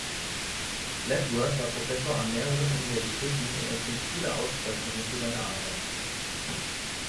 Lapworth war Professor an mehreren Universitäten und empfing viele Auszeichnungen für seine Arbeit.